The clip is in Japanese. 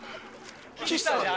岸さん。